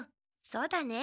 そうだね。